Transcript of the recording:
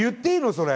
それ。